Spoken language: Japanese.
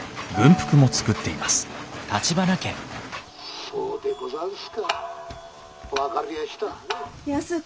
「そうでござんすか。